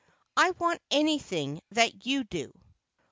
"I want anything that you do."